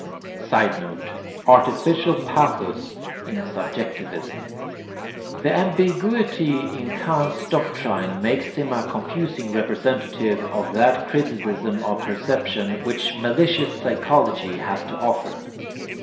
[Sidenote: Artificial pathos in subjectivism.] The ambiguity in Kant's doctrine makes him a confusing representative of that criticism of perception which malicious psychology has to offer.